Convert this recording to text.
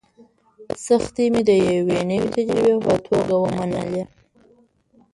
سختۍ مې د یوې نوې تجربې په توګه ومنلې.